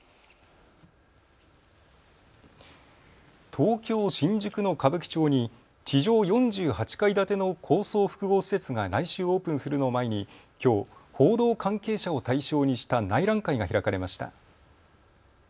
東京新宿の歌舞伎町に地上４８階建ての高層複合施設が来週オープンするのを前にきょう報道関係者を対象にした内覧会が開かれました。